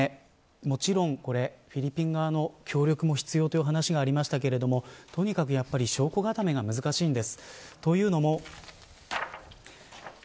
もちろんフィリピン側の協力も必要というお話がありましたがとにかく証拠固めが難しいんです。